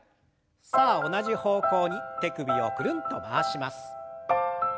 さあ同じ方向に手首をくるんと回します。